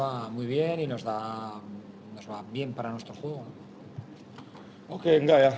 yang main di lapangan lebar atau kecil